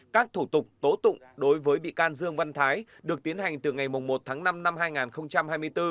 các thủ tục tố tụng đối với bị can dương văn thái được tiến hành từ ngày một tháng năm năm hai nghìn hai mươi bốn